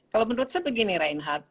kalau menurut saya begini reinhardt